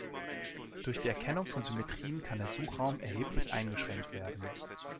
Durch die Erkennung von Symmetrien kann der Suchraum erheblich eingeschränkt werden.